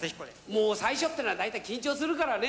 もう、最初っていうのは緊張するからね。